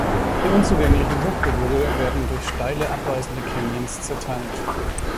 Die unzugänglichen Hochgebirge werden durch steile abweisende Canyons zerteilt.